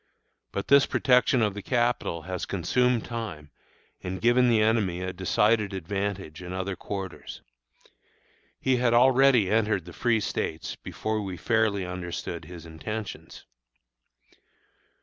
But this protection of the Capital has consumed time and given the enemy a decided advantage in other quarters. He had already entered the Free States before we fairly understood his intentions.